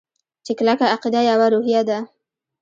چې کلکه عقیده يوه روحیه ده.